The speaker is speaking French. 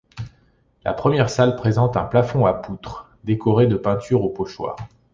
La première salle présente un plafond à poutres, décoré de peintures au pochoir.